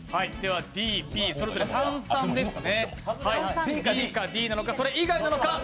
Ｄ、Ｂ、それぞれ３、３ですね。